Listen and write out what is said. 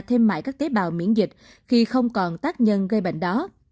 thêm mãi các tế bào miễn dịch khi không còn tác nhân gây bệnh đó